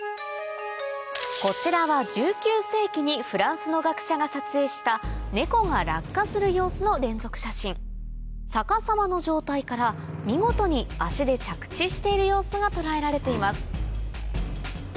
こちらは１９世紀にフランスの学者が撮影した逆さまの状態から見事に足で着地している様子が捉えられています